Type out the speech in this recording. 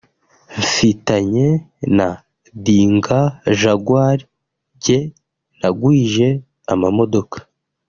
Mfitanye na dinga (Jaguar) jye nagwije amamodoka